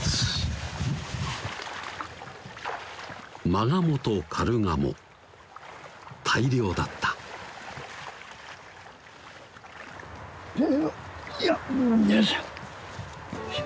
マガモとカルガモ大猟だったせのよいしょ！